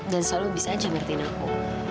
dan selalu bisa aja ngertiin aku